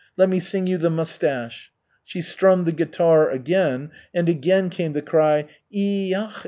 Let me sing you The Mustache." She strummed the guitar again, and again came the cry, "I akh!